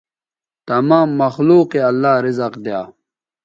تمام مخلوق یے اللہ رزق دیا